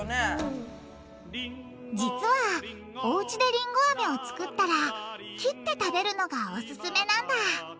実はおうちでりんごアメをつくったら切って食べるのがオススメなんだ。